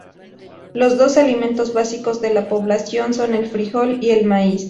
Los dos alimentos básicos de la población son el frijol y el maíz.